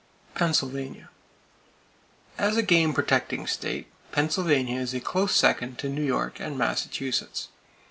Pennsylvania: As a game protecting state, Pennsylvania is a close second to New York and Massachusetts.